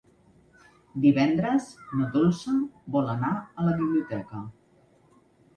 Divendres na Dolça vol anar a la biblioteca.